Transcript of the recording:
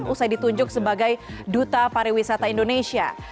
usai ditunjuk sebagai duta pariwisata indonesia